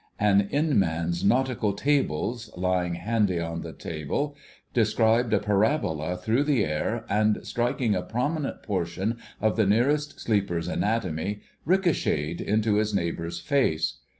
An 'Inman's Nautical Tables,' lying handy on the table, described a parabola through the air, and, striking a prominent portion of the nearest sleeper's anatomy, ricochetted into his neighbour's face.